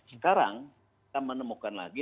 sekarang kita menemukan lagi